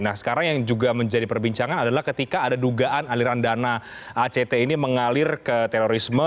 nah sekarang yang juga menjadi perbincangan adalah ketika ada dugaan aliran dana act ini mengalir ke terorisme